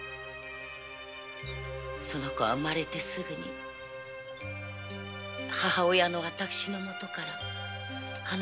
その子は産まれてすぐに母親の私のもとから離れて行きました。